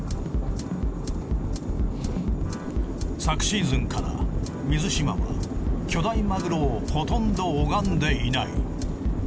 昨シーズンから水嶋は巨大マグロをほとんど拝んでいない。